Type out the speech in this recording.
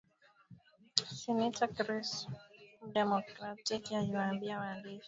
Seneta Chris, Mdemokratiki aliwaambia waandishi wa habari kwamba makubaliano ya mwisho kuhusu pendekezo hilo yanakaribia